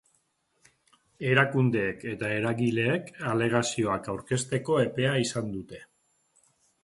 Erakundeek eta eragileek alegazioak aurkezteko epea izan dute.